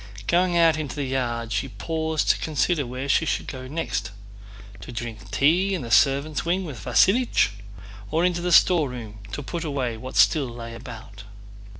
Going out into the yard she paused to consider where she should go next—to drink tea in the servants' wing with Vasílich, or into the storeroom to put away what still lay about.